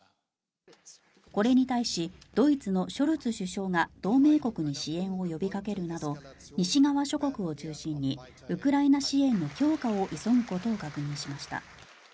これに対しドイツのショルツ首相が同盟国に支援を呼びかけるなど西側諸国を中心にウクライナ支援の強化を急ぐことを確認しました。